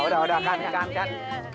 udah udah kan kan kan